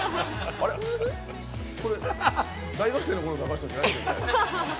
これ大学生の頃の高橋さんじゃないよね？